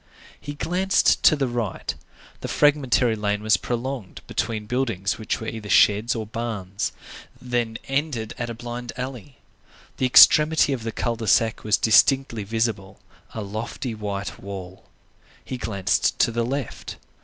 He glanced to the right. The fragmentary lane was prolonged between buildings which were either sheds or barns, then ended at a blind alley. The extremity of the cul de sac was distinctly visible,—a lofty white wall. He glanced to the left.